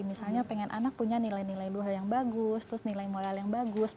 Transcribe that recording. misalnya ingin anak punya nilai nilai luar yang bagus nilai moral yang bagus